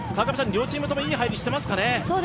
川上さん、両チームともいい入りしてますか？